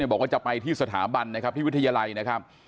บอกว่าจะไปที่สถาบันนะครับที่วิทยาลัยนะครับ